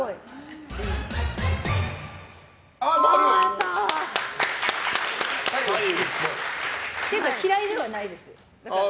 ○！っていうか嫌いではないです。